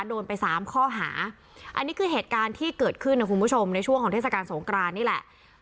โดนไปสามข้อหาอันนี้คือเหตุการณ์ที่เกิดขึ้นนะคุณผู้ชมในช่วงของเทศกาลสงกรานนี่แหละ